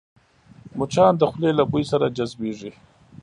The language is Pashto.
مچان د خولې له بوی سره جذبېږي